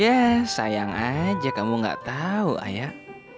ya sayang aja kamu gak tahu ayah